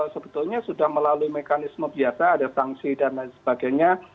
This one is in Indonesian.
sudah melalui mekanisme biasa ada sangsi dan lain sebagainya